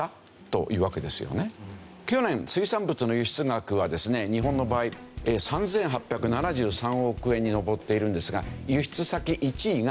去年水産物の輸出額はですね日本の場合３８７３億円に上っているんですが輸出先１位が中国。